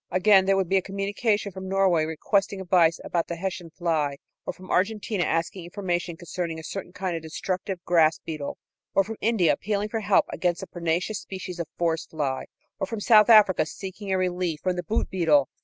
Again there would be a communication from Norway requesting advice about the Hessian fly, or from Argentina asking information concerning a certain kind of destructive grass beetle, or from India appealing for help against a pernicious species of forest fly, or from South Africa seeking a relief from the boot beetle.